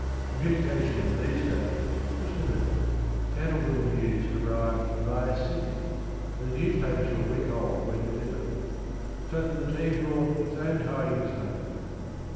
Communication in these days was limited. Cantleville news arrived via Sydney, and the newspapers were a week old when delivered. So that the team brought its own tidings home.